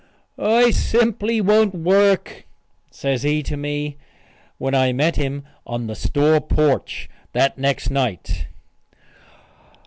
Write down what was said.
"I simply won't work," says he to me, when I met him on the store porch that next night.